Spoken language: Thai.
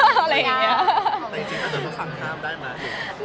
แต่จริงถ้าเกิดต้องห้ามห้ามได้ไหม